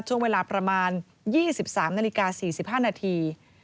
ช่วงเวลาประมาณ๒๓นาฬิกา๔๕นาที